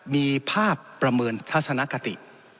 มีภาพประเมินทัศนคติ